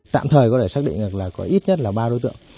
tạm thời có thể xác định được là có ít nhất là ba đối tượng